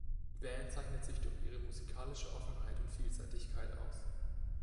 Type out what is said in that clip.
Die Band zeichnet sich durch ihre musikalische Offenheit und Vielseitigkeit aus.